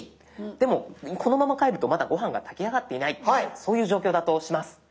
でもこのまま帰るとまだゴハンが炊き上がっていないそういう状況だとします。